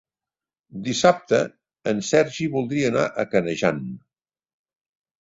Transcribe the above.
Dissabte en Sergi voldria anar a Canejan.